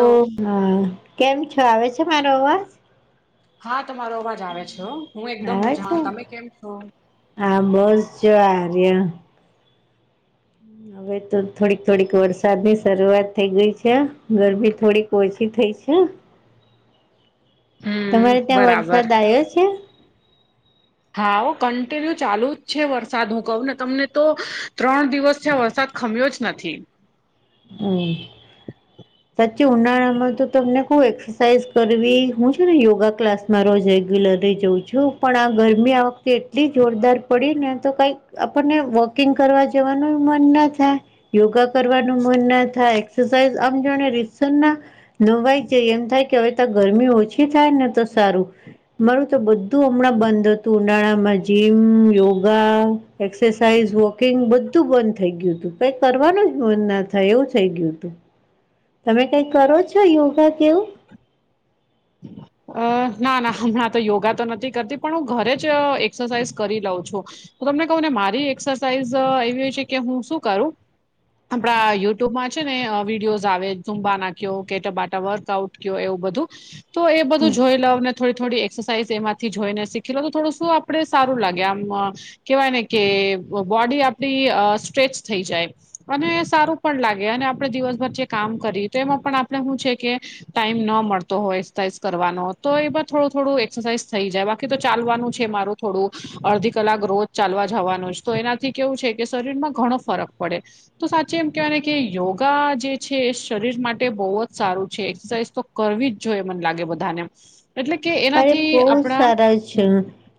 ઓ હા કેમ છો આવે છે મારો અવાજ? હા તમારો અવાજ આવે છે હું એકદમ આવે છે મજા તમે કેમ છો? હા બસ જર્યા. હ [unintelligible] હવે તો થોડીક થોડીક વરસાદ ની શરૂઆત થઈ ગઈ છે, ગરમી થોડીક ઓછી થઈ છે. હમ તમારે ત્યાં બરાબર વરસાદ આવ્યો છે? હા કન્ટિન્યુ ચાલુ જ છે વરસાદ હું કહું ને તમને તો, ત્રણ દિવસ થ્યા વરસાદ ખમ્યો જ નથી. હમ. સાચી ઉનાળા માં તો તમને એક્સરસાઇઝ કરવી હું છે ને યોગા ક્લાસ મા રોજ રેગ્યુલરી જઉં છું પણ આ ગરમી આ વખતે એટલી જોરદાર પડી ને તો કઈ આપણને વોકિંગ કરવા જવાનું મન ના થાય, યોગા કરવાનું થાય આમ જા ના, નવાય છે એમ થાય. હવે તો ગરમી ઓછી થાય ને તો સારું. મારું તો બધું હમણાં બંધ હતું ઉનાળામાં જીમ યોગા. એક્સરસાઇઝ વોકિંગ બધું બંધ થઈ ગયું હતું ક કરવાનું જ મંધ ના થ એવું થઈ ગયું હતું. તમે કઈ કરો છો યોગા કેવું એવું? હ [inaudible] અ ના ના હમણાં તો યોગા તો નથી કરતી પણ હું ઘરે જ એક્સરસાઇઝ કરી લઉં છું. તો તમને કહું ને મારી એક્સરસાઇઝ એવી હોય છે કે હું શું કરું. આપડા યુટ્યુબમાં છે ને અ વિડીયોઝ આવે ઝુંબા નાખ્યો કેટ બાટા વર્કઆઉટ ક્યો એવું બધું તો એ બધું જોઈ લઉ ને થોડી થોડી એક્સરસાાઈઝ એમાંથી જોઈને શીખી લો તો થોડું શું આપડે સારું લાગે આમ કેવાય ને કે બોડી આપડી અ સ્ટ્રેચ થઈ જાય અને સારું પણ લાગે અને આપણે જીવનભર જે કામ કરીએ તો એમાં પણ આપણે શું છે કે ટાઈમ ન મળતો હોય એક્સાઝ કરવાનો તો એ થોડું થોડું એક્સરસાઇઝ થઈ જાય બાકી તો ચાલવાનું છે મારું થોડું અડધી કલાક રોજ ચાલવા જવાનું જ તો એનાથી કેવું છે કે શરીરમાં ઘણો ફરક પડે તો સાચે એમ કેવાય કે યોગા જે છે એ શરીર માટે બહુ જ સારું છે એક્સરસાઇઝ તો કરવી જ જોઈએ મને લાગે બધાને એટલે કે અરે એનાથી બઉં આપણા સારા છે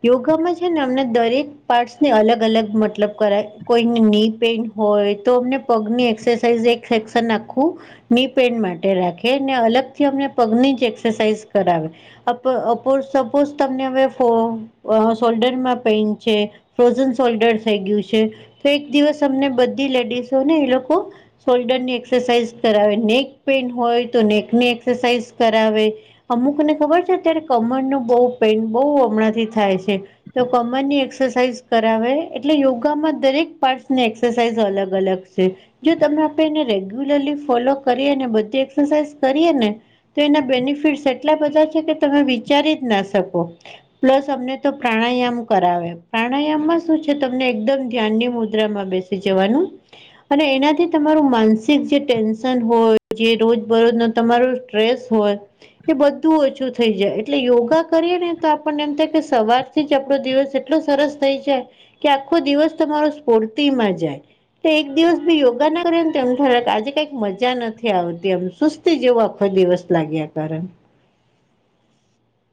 યોગામાં છે ને અમને દરેક પાર્ટસ ને અલગ અલગ મતલબ કરાય કોઈને ની [unintelligible] પેન્ટ હોય તો અમને પગની એક્સરસાઇઝ એક સેક્શન આખું ની પેન માટે રાખે ને અલગ થી અમને પગની જ એક્સરસાઇઝ કરાવે [unintelligible] સપોઝ તમને હવે ફો અ શોલ્ડરમાં પેઇન છે ફ્રોઝન સોલ્ડર થઈ ગ્યું છે તો એક દિવસ અમને બધી લેડીસો ને એ લોકો સોલ્ડરની એક્સરસાઇઝ કરાવે નેક પેન્ટ હોય તો નેકની એક્સરસાઇઝ કરાવે અમુકને ખબર છે અત્યારે કમર નું બઉ પેન બઉ હમણાંથી થાય છે તો કમર ની એક્સરસાઇઝ કરાવે એટલે યોગામાં દરેક પાર્ટ ને એક્સ સરસાઇઝ અલગ અલગ છે. જો તમે આપે એને રેગ્યુલરલી ફોલો કરીએને બધી એક્સરસાઇઝ કરીએ ને તો એના બેનિફિટસ એટલા બધા છે કે તમે વિચારી જ ના શકો પ્લસ અમને તો પ્રાણાયામ કરાવે પ્રાણાયામમાં શું છે તમને એકદમ ધ્યાનની મુદ્રામાં બેસ ઈ જવાનું અને એનાથી તમારું માનસિક જે ટેન્શન હોય જે રોજ બરોજ નું તમારુ ટ્રેસ હોય એ બધું ઓછું થઈ જાય એટલે યોગા કરીએ ને તો આપણને એમ થાય કે સવારથી જ આપણો દિવસ એટલો સરસ થઈ જાય કે આખો દિવસ તમારો સ્ફૂર્તિ માં જાય તો એક દિવસ બી યોગા ના કરીએ ને તો એ આજે કઈક મજા નથી આવતી એમ શુંસ્ તે જેવો આખો દિવસ લાગ્યા કારણ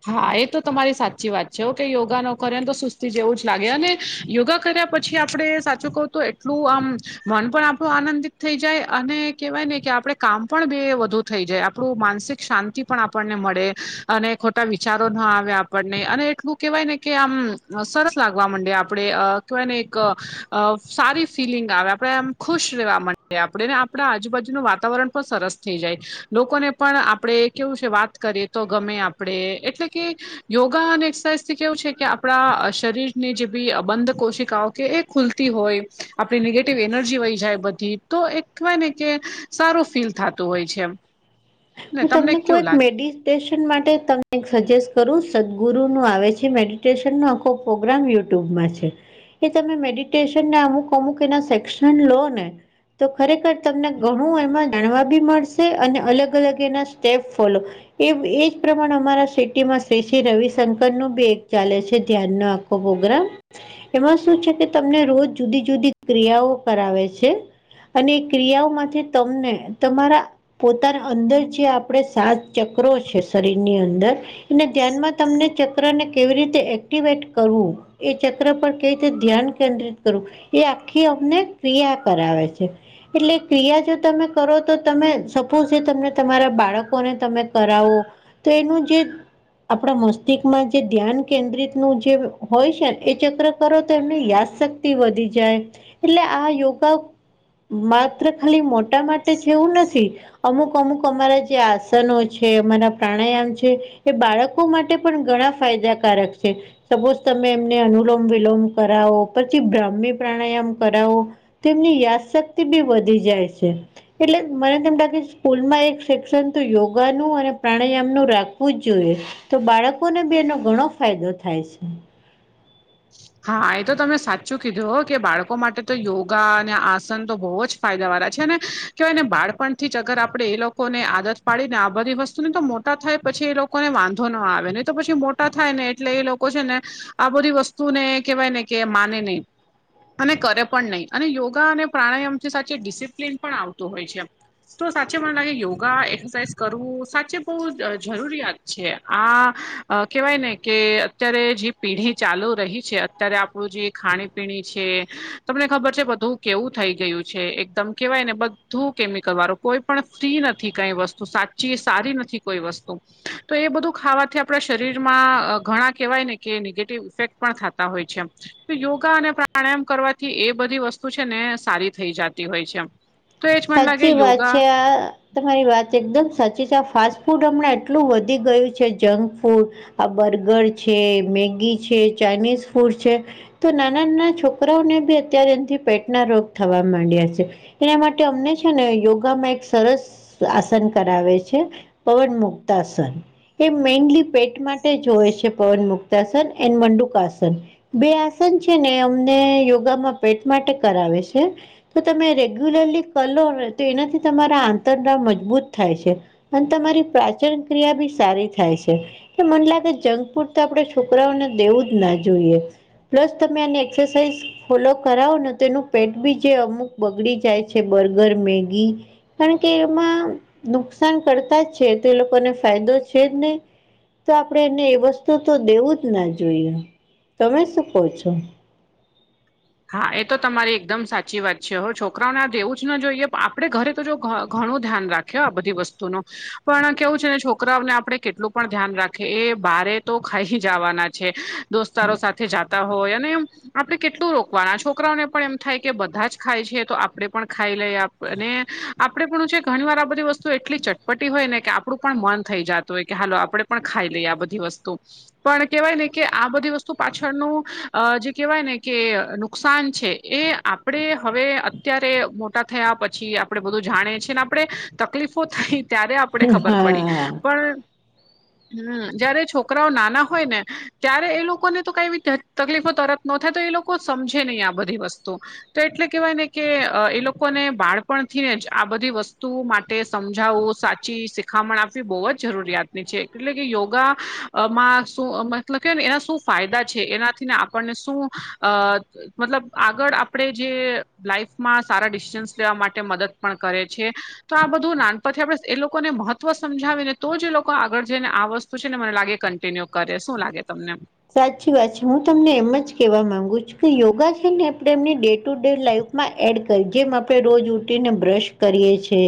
હા એ તો તમારી સાચી વાત છે ઓ કે યોગા ન કરેન તો સુસ્તી જેવું જ લાગે અને યોગા કર્યા પછી આપડે સાચું કહું તો એટલું આમ મન પણ આપણું આનંદિત થઈ જાય અને કેવાય ને કે આપડે કામ પણ બે વધુ થઈ જાય આપડુ માનસિક શાંતિ પણ આપણને મડે અને ખોટા વિચારો ના આવે આપણને અને એટલું કેહેવાય ને કે આમ સરસ લાગવા મંડે આપડે અ તો એને એક સારી ફિલિંગ આવે આપડે આમ ખુશ રહેવા માટેે આપડે ને આપ પડા આજુબાજુનું વાતાવરણ પણ સરસ થઈ જાય લોકોને પણ આપડે કેવું છે વાત કરીએ તો ગમે એ આપ પડે એટલે કે યોગા અને એક્સરસાઇઝ થી કેવું છે કે આપડા અ શરીર ની જે બી બંધ કોશિકાઓ કે એ ખુલતી હોય આપણી નેગેટિવ એનર્જી વઈ જાય બધી તો એ કહેવાય ને કે સારું ફીલ થાતું હોય છે એમ ને હું તમને કેવું કોઈ લાગે મેડિ ટેશન માટે તમને એક સજેસ્ટ કરું સદગુરુ નું આવે છે મેડિટેશન નો આખો પ્રોગ્રામ યુટ્યુબમાં છે. એ તમે મેડિટેશનને અમુક અમુક એના સેક્શન લો ને તો ખરેખર તમને ઘણું એમાં જાણવા બી મળશે અને અલગ-અલગ કે એના સ્ટેપ ફોલો એ એજ પ્રમાણે અમારા સિટીમાં શ્રી શ્રી રવિશંકર નું બી એક ચાલે છે ધ્યાન ના આપ પ્રોગ્રામ એમાં શું છે કે તમને રોજ જુદી-જુદી ક્રિયાઓ કરાવે છે. અને એ ક્રિયાઓમાંથી તમને તમારા પોતાના અંદર જે આપડે સાત ચક્રો છે શરીર ની અંદર એ ધ્યાનમાં તમને ચક્ર ને કેવી રીતે એક્ટિવેટ કરવું એ ચક્ર પર કેવી રીતે ધ્યાન કેન્દ્રિત કરવું. એ આખી અમને ક્રિયા કરાવે છે. એટલે ક્રિયા જો તમે કરો તો તમે સપોઝ તમને તમારા બાળકોને તમે કરાવો તો એનું જે આપણા મસ્તિષ્કમાં જે ધ્યાન કેન્દ્રિત નું જે હોય છે ને એ ચક્ર કરો તો એમને યાદ શક્ વધી જાય એટલે આ યોગા માત્ર ખાલી મોટ ટા માટે જ જેવું નથી અમુક અમુક અમારા જે આસનો છે અમારા પ્રાણાયામ છે એ બાળકો માટે પણ ઘણા ફાયદા કારક છે. સપોઝ તમે એમને અનુલોમ વિલોમ કરાવો, પછી બ્રાહ્મી પ્રાણાયામ કરાવો, તો એમની યાદશક્તિ બી વધી જાય છે એટલે મને તેમ લાગે સ્કૂલમાં એક સેક્શન તો યોગાનું અને પ્રાણાયામ નું રાખવું જ જોઈએ, તો બાળકોને બી એનો ઘણો ફાયદો થાય છે. હા, એ તો તમે સાચું કીધું કે બાળકો માટે તો યોગા અને આસન તો બહુ જ ફાયદા વાળા છે અનેને કહેવાય ને બાળપણથી જ અગર આપણેે એ લોકો ને આદત પાડીને આ બધી વસ્તુને તો મોટા થાય પછી એ લોકો ને વાંધો ના આવે નઈ તો પછી મોટા થાય ને એટલે એ લોકો છે ને આ બધી વસ્તુ તું ને કેવાય ને કે માને નય અને કરે પણ નહીં અને યોગા અને પ્રાણાયામથી સાચી ડિસિપ્લિન પણ આવતું હોય છે. તો સાચે મને લાગે યોગા એક્સરસાઇઝ કરવું સાચે બહુ જરૂરિયાત છે આ અ કેવાય ને કે અત્યારે જે પેઢી ચાલુ રહી છે અત્યારે આપણું જે ખાણીપીણી છે તમને ખબર છે બધું કેવું થઈ ગયું છે એકદમ. કેવાય ને બધું કેમિકલ વાળું કોઈ પણ ફ્રી નથી કઈ વસ્તુ સાચી સારી નથી કોઈ વસ્તુ. તો એ બધું ખાવાથી આપણા શરીરમાં ઘણા કહેવાય ને કે નેગેટિવ ઇફેક્ટ પણ ખાતા હોય છે એમ. તો યોગા અને પ્રાણાયામ કરવાથી એ બધી વસ્તુ છે ને સારી થઈ જતી હોય છે એમ સાચી વાત છે આ તમારી વાત એકદમ સાચી છે આ ફાસ્ટ ફૂડ હમણાં એટલું વધી ગયું છે જંક ફૂડ આ બર્ગર છે મેગી છે ચાાઈનીઝ ફૂડ છે. તો નાના નાના છોકરાઓને બી અત્યારે એનાથી પેટના રોગ થવા માંડ્યા છે એના માટે, અમને છે ને યોગામાં એક સરસ આસન કરાવે છે પવન મુક્તાસન એ મેનલી પેટ માટે જ હોય છે પવન મુક્તાસન એન મંડુકાસન બે આસન છે ને અમને યોગામાં પેટ માટે કરાવે છે. તો તમે રેગ્યુલરલી કરલોને તો એનાથી તમારા આંતરડા મજબૂત થાય છે. અને તમારી પાચન ક્રિયા બી સારી થાય છે. મને લાગે જંક ફૂડ તો આપણેે છોકરાઓને દેવું જ ના જોઈએ. પ્લસ તમે આની એક્સરસાઇઝ ફોલો કરાવો ને તો એનું પેટ બી જે અમુક બગડી જાય છે. Burger, Maggi. કારણ કે એમાં નુકસાન કરતા જ છે તો એ લોકોને ફાયદો છે જ નહીં તો આપણેે એને એ વસ્તુ તો દેવું જ ના જોઈએ, તમે શું કહો છો? હા એ તો તમારી એકદમ સાચી વાત છે હો છોકરાઓને આ દેવું જ ના જોઈએ આપણે ઘરે તો જો ધ ઘણું ધ્યાન રાખે કે આ બધી વસ્તુ ન પણ કેવું છે ને છોકરાઓને આપણે કેટલું પણ ધ્યાન રાખીએ એ બારે તો ખાઈ હી જવાના છે દોસ્તારો સાથે જાતા હોય અને આપડે કેટલું રો વાણા છોકરાઓને પણ એમ થાય કે બધા જ ખાય છે, તો આપડે પણ ખાઈ લઈ આપણેે પણ છે ઘણી વાર આ બધી વસ્તુ એટલી ચટપટી હોય ને કે આપડું પણ મન થઈ જતું હોય કે હાલો આપડે પણ ખાઈ લઈ આ બધી વસ્તુ. પણ કેહેવાય ને કે આ બધી વસ્તુ પાછળનું, જે કહેવાય ને કે નુકસાન છે એ આપણે હવે અત્યારે મોટા થયા પછી આપડે બધું જાણીએ છીએ ને આપડણે, તકલીફો થઈ. ત્યારે આપડે ખબર પડી, હા પણ હમ જયારે છોકરાઓ નાના હોય ને. ત્યારે એ લોકોને તો કઈ તકલીફો તરત ન થાય તો એ લોકો સમજે નહી આ બધી વસ્તુ. તો એટલે કેહેવાય ને કે એ લોકોને બાળપણ થીને જ આ બધી વસ્તુ તે સમજાવું સાચી શિખામણ આપવી બહુ જ જરૂરિયાતની છે એટલે કે યોગા. અ માં શું મતલબ કે ને એના શું ફાયદા છે એનાથી ને આપણને શું, અ મતલબ આગળ આપણે જે લાઈફમાં સારા ડિસીિજન્સ લેવા માટે મદદ પણ કરે છે. તો આ બધું નાનપણથી આપણે એ લોકોને મહત્વ સમજાવીને તો જ લોકો આગળ જઈને આ વસ્તુ શું છે ને મને લાગે કન્ટિન્યુ કરે શું લાગે તમને? સાચી વાત છે હું તમને એમ જ કેવા માંગુ છું કે યોગા છે ને આપણે એમને ડેટ ટુ ડે લાઈફમાં એડ કરી જેમ આપણે રોજ ઉટીને બ્રશ કરીએ છે.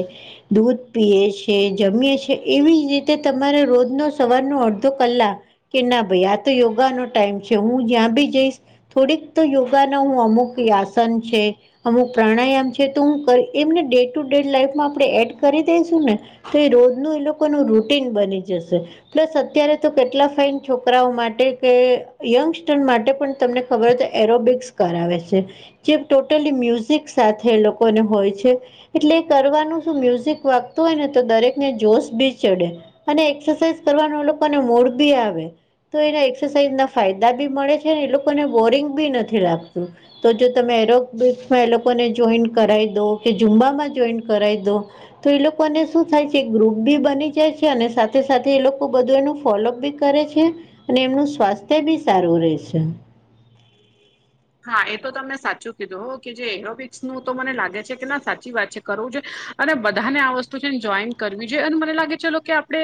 દૂધ પીએ છે જમીએ છે એવી જ રીતે તમારે રોજનો સવારનો અડધો કલાક. કે ના ભાઈ આ તો યોગાનો ટાઈમ છે હું જ્યાં બી જઈશ. થોડીક તો યોગાના હું અમુક આયાસન છે. અમુક પ્રાણાયામ છે તો હું એમને ડે ટુ ડે લાાઈફમાં આપણે એડ કરી દઈશું ને. તો એ રોજ ન એ લોકોનું રૂટીન બની જશે. પ્લસ અત્યારે તો કેટલા ફઇન છોકરાઓ માટે માટે કે યંગસ્ટર માટે પણ તમને ખબર હો તો એરોબિક્સ કરાવે છે. જે ટોટલી મ્યુઝિક સાથે એ લોકોને હોય છે. એટલે એ કરવાનું શ મ્યુઝિક વાગતું હોય ને તો દરેક ને જોશ બી ચડે. અને એક્સરસાઇઝ કરવાનું એ લોકોને મૂડ બી આવે. તો એના એક્સરસાઇઝના ફાયદા બી મળે છે ને એ લોકોને બોરિંગ બી નથી લાગતું. તો જો તમે એરોમાં એ લોકોને જોઈન કરાવી દો કે ઝુંમબામાં જોઈન કરાવી દો. તો એ લોકોને શું થાય છે ગ્રુપ બી બની જાય છે અને સાથે સાથે એ લોકો બધું એનું ફોલોઅપ બી કરે છે, અને એમનું સ્વાસ્થ્ય બી સારું રહે છે. હા એ તો તમને સાચું કીધું હો કે જે એરોપિક્સ નું તો મને લાગે છે કે ના સાચી વાત છે. કરવું જો, અને બધાને આ વસ્તુ છેને જોઈન કરવી જોઈએ અને મને લાગે ચલો કે આપણે.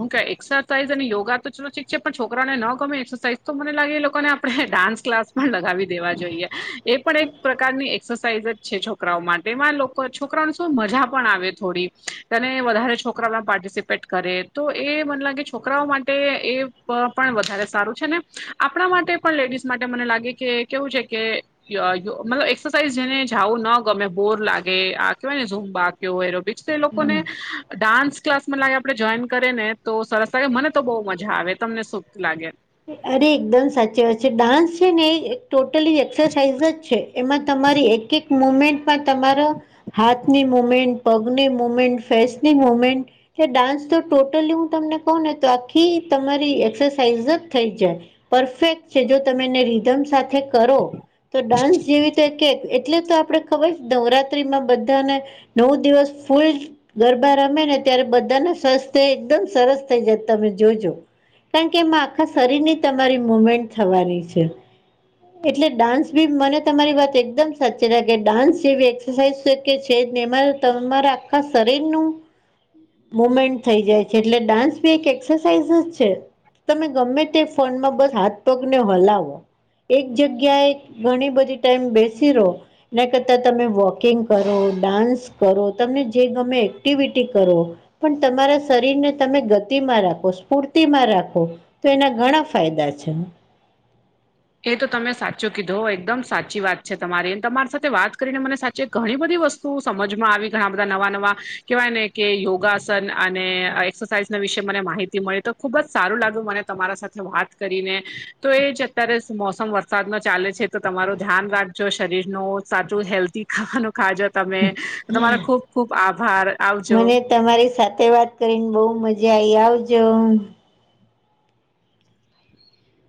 હું ક એક્સરસાઇઝ અને યોગા તો છોલો ીક છે પણ છોકરાને ન ગમે એક્સરસાઇઝ તો મને લાગે એ લોકોને આપણે ડાન્સ ક્લાસ પણ લગાવી દેવા જોઈએ, એ પણ એક પ્રકારની એક્સરસાઇઝ જ છે છોકરાઓ માટેમાં લોકો છોકરાઓને શું મજા પણ આવે થોડી. તેને વધારે છોકરાઓમાં પાર્ટિસિપેટ કરે તો એ મને લાગે છોકરાઓ માટે એ પણ વધારે સારું છે ને આપણા માટે પણ લેડીઝ માટે મને લાગે કે કેવું છે કે મતલબ એક્સરસાઇઝ જેને જાવું ના ગમે બોર લાગે આ કેહેવાય ને ઝૂમ બા કેવો એ બીજ તે એ લોકો ને. ડાન્સ ક્લાસ માં લાગે આપે જોઈન કરીએ ને તો સરસ લાગે મને તો બહુ મજા આવે તમને સુખ લાગે. અરે એકદમ સાચી વાત છે ડાન્સ છે ને ટોટલી એક્સરસાાઈઝ જ છે એમાં તમારી એક એક મુમેન્ટમાં તમારો હાથની મૂમેન્ટ પગની મૂમેન્ટ ફસની મૂમેન્ટ. કે ડાન્સ તો ટોટલી હું તમને કહું ને તો આખી તમારી એક્સરસાઇઝ જ થઈ જાય પરફેક્ટ છે જો તમે એને રીધમ સાથે કરો તો ડાન્સ જેવી તો એટલે તો આપડે ખબર નવરાત્રીમાં બધાને નવ દિવસ ફૂલ ગરબા રમે ને ત્યારે બધાને સરસ થ એકદમ સરસ થઈ જ તમે જોજો કારણ કે એમાં આખા શરીર ની તમારી મુમેન્ટ થવાની છે. એટલે ડાન્સ બી મને તમારી વાત એકદમ સાચી રા કે ડાન્સ જેવી થ ઈઈશકે છે તેમાં તમારા આખા શરીરનું મુમેન્ટ થઈ જાય છે એટલે ડાન્સ બી એક એક્સરસાઇઝ જ છે તમે ગમે તે ફોનમાં બસ હાથ પગ ને હલાવો. એક જગ્યાએ ઘણી બધી ટાઈમ બેસી રહો. એના કરતા તમે વોકિંગ કરો ડાન્સ કરો તમને જે ગમે એક્ટિવિટી કરો. પણ તમારા શરીરને તમે ગતિમાં રાખો સ્ફૂર્તિમાં રાખો. તો એના ઘણા ફાયદા છે. એ તો તમે સાચો કીધો એકદમ સાચી વાત છે તમારી તમારી સાથે વાત કરીને મને સાચ ચે ઘણી બધી વસ્તુ સમજમાં આવી ઘણા બધા નવા નવા કેહેવાય ને કે યોગાસન અને એક્સરસાઇઝના વિશે મને માહિતી મળી તો ખૂબ જ સારું લાગ્યું મને તમારા સાથે વાત કરીને તો એ જ અત્યારે મોસમ વરસાદનો ચાલે છે તો તમારુ ધ્યાન રાખજો શરીરનું સાચું હેલ્ધી ખાવાનું ખાજો તમે તમારો ખુબ ખુબ આભાર આવજો. મને તમારી સાથે વાત કરીને બહુ મજા આઈ આવજો. [inaudible]